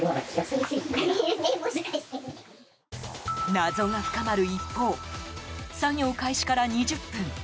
謎が深まる一方作業開始から２０分。